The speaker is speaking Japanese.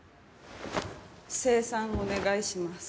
精算お願いします。